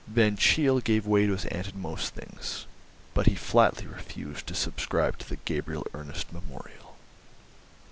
Van Cheele gave way to his aunt in most things, but he flatly refused to subscribe to the Gabriel Ernest memorial.